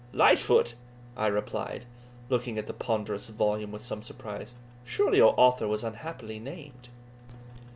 "Lightfoot!" I replied, looking at the ponderous volume with some surprise; "surely your author was unhappily named."